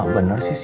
lama bener sih